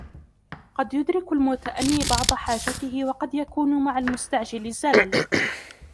قد يدرك المتأني بعض حاجته وقد يكون مع المستعجل الزلل